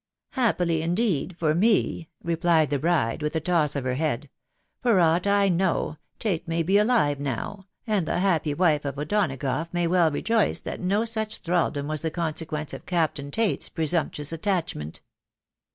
" Happily, indeed, for me !" replied the bride, with a toss of her head : "for aught I know, Tate may be alive now ... and the happy wife of O'Donagough ma^ ^^toV3^^ " 492 THE WIDOW BARNABV. «uch thraldom was the consequence of Captain Tate's pra* sumptuous attachment!"